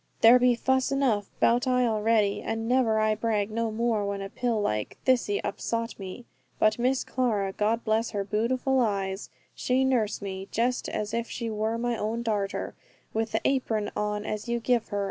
There be fuss enough 'bout I already, and never I brag no more, when a pill like thiccy upsot me. But Miss Clara, God bless her bootiful eyes, she nurse me, just as if she wor my own darter, with the apron on as you give her.